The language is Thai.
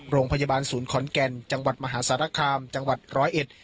โรงพยาบาลศูนย์ขอนแก่นจังหวัดมหาสารคามจังหวัดร้อยเอ็ด